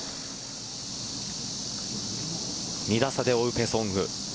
２打差で追うペ・ソンウ。